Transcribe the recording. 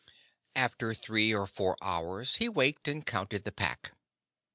After four or five hours he waked and counted the Pack.